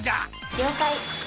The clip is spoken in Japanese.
「了解！」